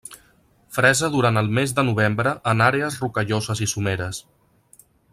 Fresa durant el mes de novembre en àrees rocalloses i someres.